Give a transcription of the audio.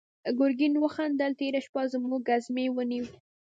ګرګين وخندل: تېره شپه زموږ ګزمې ونيو.